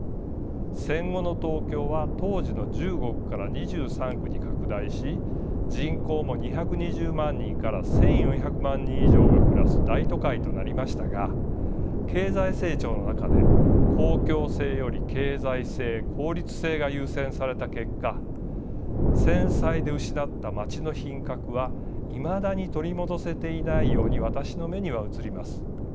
戦後の東京は当時の１５区から２３区に拡大し人口も２２０万人から１，４００万人以上が暮らす大都会となりましたが経済成長の中で公共性より経済性効率性が優先された結果戦災で失った街の品格はいまだに取り戻せていないように私の目には映ります。